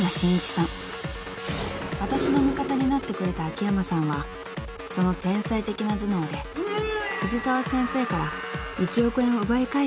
［わたしの味方になってくれた秋山さんはその天才的な頭脳で藤沢先生から１億円を奪い返してくれたのです］